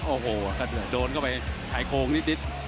โอ้โหกระโดดเข้าไปชายโครงนิด